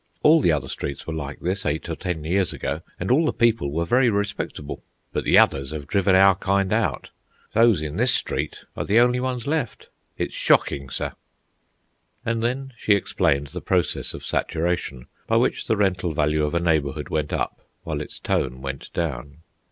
All the other streets were like this eight or ten years ago, and all the people were very respectable. But the others have driven our kind out. Those in this street are the only ones left. It's shocking, sir!" And then she explained the process of saturation, by which the rental value of a neighbourhood went up, while its tone went down.